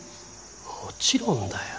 もちろんだよ。